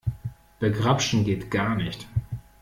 Begrapschen geht gar nicht.